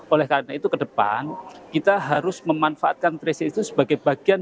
oleh karena itu ke depan kita harus memanfaatkan tracing itu sebagai bagian